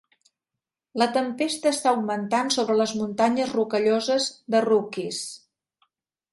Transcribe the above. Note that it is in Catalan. La tempesta està augmentant sobre les Muntanyes Rocalloses "the Rockies".